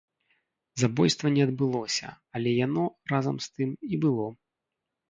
Забойства не адбылося, але яно, разам з тым, і было.